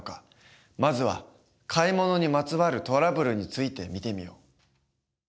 まずは買い物にまつわるトラブルについて見てみよう。